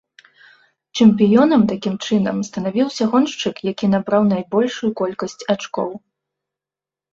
Чэмпіёнам, такім чынам, станавіўся гоншчык, які набраў найбольшую колькасць ачкоў.